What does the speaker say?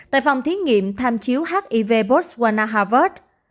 tại phòng thiết nghiệm tham chiếu hiv botswana harvard